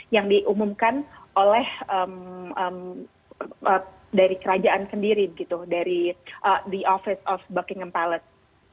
yang diumumkan oleh dari kerajaan sendiri gitu dari the office of buckingham palace